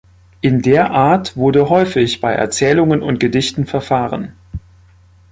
In der Art wurde häufig bei Erzählungen und Gedichten verfahren.